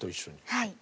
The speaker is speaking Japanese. はい。